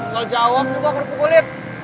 lo jawab juga kerupuk kulit